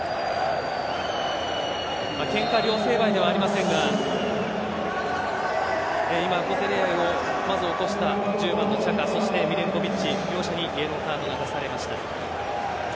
けんか両成敗ではありませんが今、小競り合いをまず起こした１０番のチャカミレンコヴィッチ、両者にイエローカードが出されました。